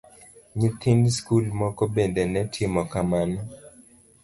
Nyithind skul moko bende ne timo kamano.